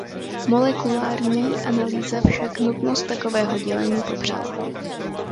Molekulární analýza však nutnost takového dělení popřela.